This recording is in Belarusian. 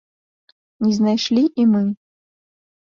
Не знайшлі і мы.